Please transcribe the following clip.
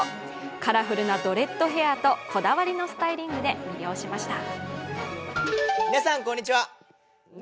カラフルなドレッドヘアとこだわりのスタイリングで魅了しました。